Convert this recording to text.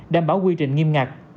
đảm bảo quy trình nghiêm ngặt